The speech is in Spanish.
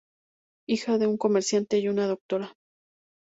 Hija de un comerciante y una doctora.